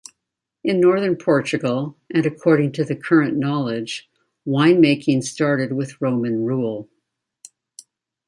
In Northern Portugal, and according to the current knowledge, wine-making started with Roman rule.